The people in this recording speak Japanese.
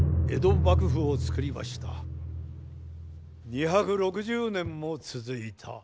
２６０年も続いた。